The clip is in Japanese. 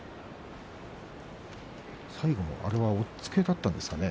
最後のあれは押っつけだったんですかね。